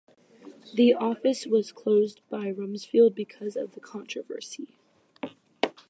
The office was closed by Rumsfeld because of the controversy.